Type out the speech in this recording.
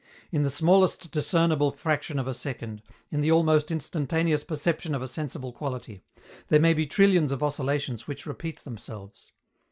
In the smallest discernible fraction of a second, in the almost instantaneous perception of a sensible quality, there may be trillions of oscillations which repeat themselves.